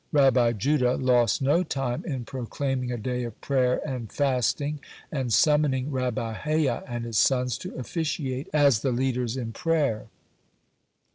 Rabbi Judah lost no time in proclaiming a day of prayer and fasting and summoning Rabbi Hayyah and his sons to officiate as the leaders in prayer.